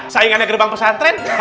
saingannya gerbang pesantren